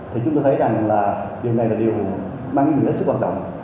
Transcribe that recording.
thì chúng tôi thấy rằng là điều này là điều mang ý nghĩa sức hoạt động